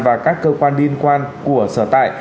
và các cơ quan liên quan của sở tại